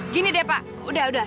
gini deh pak udah udah